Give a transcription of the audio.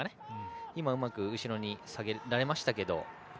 今はうまく後ろに下げられましたが。